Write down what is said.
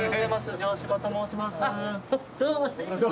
城島と申します。